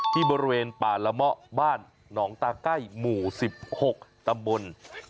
ที่บริเวณป่าละเมาะบ้านหนองตาใกล้หมู่๑๖ตำบล